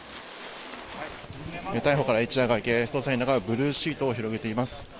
逮捕から一夜が明け、捜査員らがブルーシートを広げています。